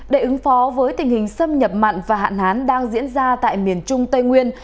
để ứng phó với tình hình xâm nhập mặn và hạn hán đang diễn ra tại miền trung tây nguyên